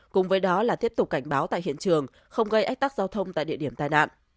cùng với đó là tiếp tục cảnh báo tại hiện trường không gây ách tắc giao thông tại địa điểm tai nạn